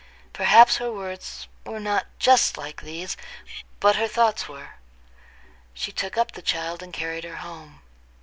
Perhaps her words were not just like these, but her thoughts were. She took up the child, and carried her home.